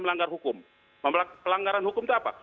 melanggar hukum pelanggaran hukum itu apa